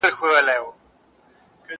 زه اوږده وخت اوبه څښم!.